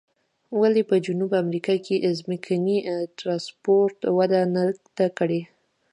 ولې په جنوبي امریکا کې ځمکني ترانسپورت وده نه ده کړې؟